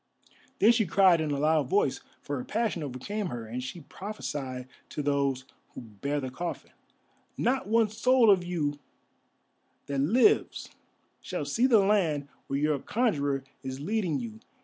Then she cried in a loud voice, for her passion overcame her, and she prophesied to those who bare the coffin, "Not one soul of you that lives shall see the land where your conjurer is leading you!